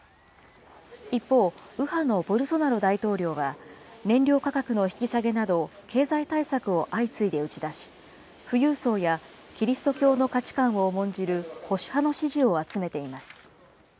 一方、右派のボルソナロ大統領は、燃料価格の引き下げなど、経済対策を相次いで打ち出し、富裕層やキリスト教の価値観を重んじる保守派の支持を集めています。